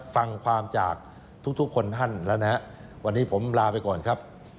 สุวิทย์ตีสักนะ